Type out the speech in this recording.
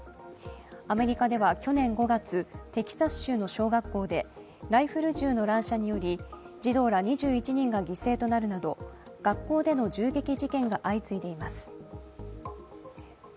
アメリカでは去年５月テキサス州の小学校でライフル銃の乱射により児童ら２１人が犠牲となるなど学校での銃撃事件が相次いでいます。